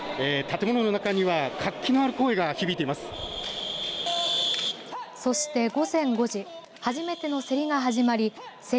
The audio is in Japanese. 建物の中には活気のある声が響いてます。